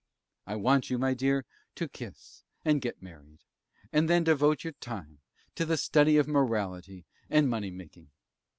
I want you, my dear, to kiss and get married; and then devote your time to the study of morality and money making.